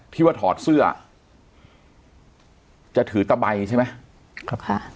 ที่ว่าถอดเสื้อจะถือตะใบใช่ไหมครับค่ะ